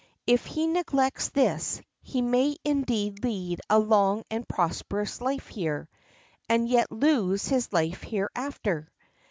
If he neglects this, he may indeed lead a long and prosperous life here, and yet lose his life hereafter.